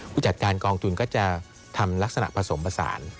ผู้จัดการกองทุนก็จะทำลักษณะผสมผสาน